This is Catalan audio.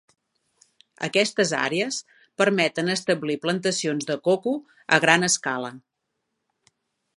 Aquestes àrees permeten establir plantacions de coco a gran escala.